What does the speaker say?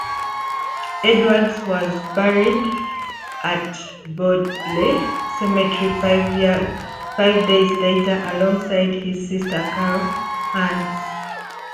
Edwards was buried at Dudley Cemetery five days later, alongside his sister Carol Anne.